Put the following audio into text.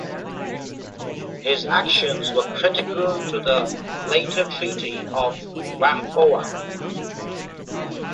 His actions were critical to the later Treaty of Whampoa.